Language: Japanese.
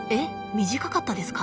短かったですか？